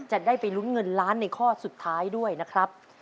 จะได้ไปลุ้นเงินล้านในข้อสุดท้ายด้วยนะครับ